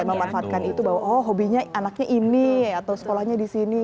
memanfaatkan itu bahwa oh hobinya anaknya ini atau sekolahnya di sini